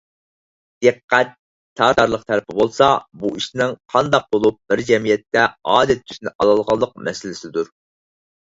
دىققەت تارتارلىق تەرىپى بولسا، بۇ ئىشنىڭ قانداق بولۇپ بىر جەمئىيەتتە ئادەت تۈسىنى ئالالىغانلىق مەسىلىسىدۇر.